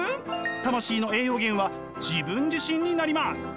魂の栄養源は自分自身になります。